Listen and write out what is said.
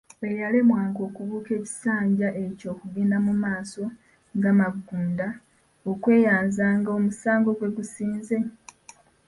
Oyo eyalemwanga okubuuka ekisanja ekyo okugenda mu maaso ga Magunda okweyanza nga omusango gwe gusinze.